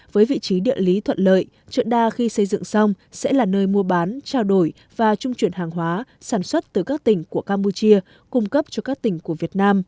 với vị trí địa lý thuận lợi chuyện đa khi xây dựng xong sẽ là nơi mua bán trao đổi và trung chuyển hàng hóa sản xuất từ các tỉnh của campuchia cung cấp cho các tỉnh của việt nam